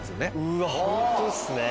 うわホントですね。